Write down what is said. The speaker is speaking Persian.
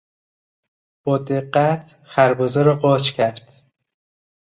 با دقت خربزه را قاچ کرد.